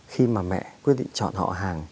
khi mà mẹ quyết định chọn họ hàng